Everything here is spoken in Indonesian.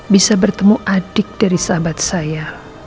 bisa bertemu adik dari sahabat saya